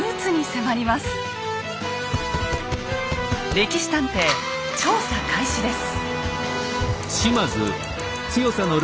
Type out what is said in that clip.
「歴史探偵」調査開始です。